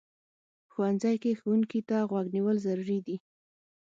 ښوونځی کې ښوونکي ته غوږ نیول ضروري دي